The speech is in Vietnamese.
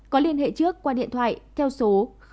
có liên hệ trước qua điện thoại theo số